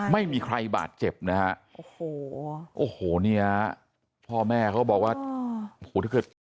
ไม่มีใครบาดเจ็บนะฮะโอ้โหโอ้โหเนี่ยพ่อแม่เขาบอกว่าโอ้โหถ้าเกิด